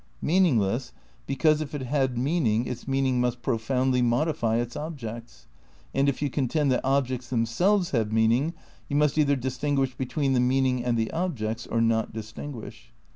Meaningless, because if it had meaning, its meaning must profoundly modify its objects. And if you con tend that objects themselves have meaning yon must either distinguish between the meaning and the ob jects or not distinguish.